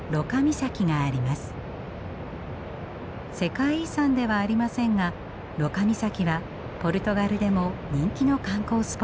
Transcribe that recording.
世界遺産ではありませんがロカ岬はポルトガルでも人気の観光スポットです。